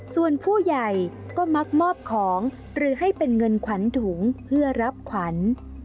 ส่วนผู้ใหญ่ก็มักมอบของหรือให้เป็นเงินขวัญถุงเพื่อรับขวัญ